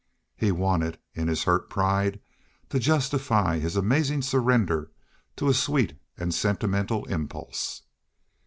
He wanted, in his hurt pride, to justify his amazing surrender to a sweet and sentimental impulse.